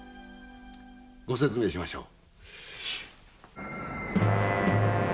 ご説明しましょう。